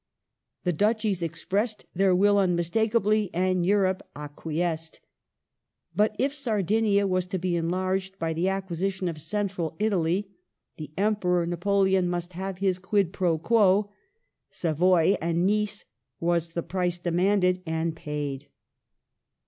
^ The Duchies expressed their will unmistakably, and Europe acquiesced. But if Sardinia was to be enlarged by the acquisition of Central Italy, the Emperor Napoleon must have his quid pro quo. Savoy and Nice was the price demanded, and paid.